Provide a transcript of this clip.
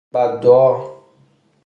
بد دعا